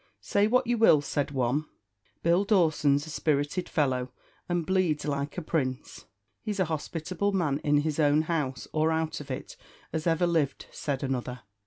"Say what you will," said one, "Bill Dawson's a spirited fellow, and bleeds like a prince." "He's a hospitable man in his own house, or out of it, as ever lived," said another.